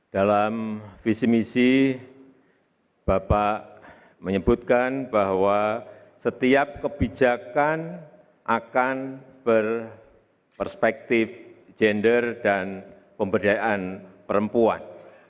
dalam visi misi bapak menyebutkan bahwa setiap kebijakan akan berperspektif gender dan pemberdayaan perempuan